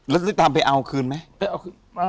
แล้วตามไปเอาคืนไหม